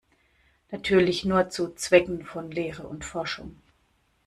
Natürlich nur zu Zwecken von Lehre und Forschung.